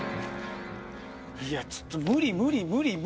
いやちょっと無理無理無理。